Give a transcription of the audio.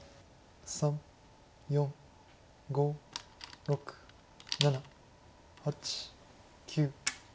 ３４５６７８９。